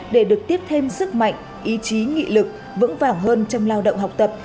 để được tiếp thêm sức mạnh ý chí nghị lực vững vàng hơn trong lao động học tập